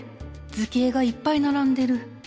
図形がいっぱいならんでる。